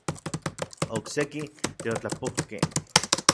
Okseki teotlapoukej.